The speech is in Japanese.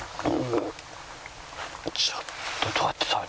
ちょっとどうやって食べる。